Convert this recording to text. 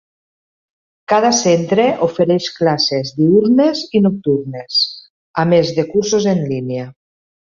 Cada centre ofereix classes diürnes i nocturnes, a més de cursos en línia.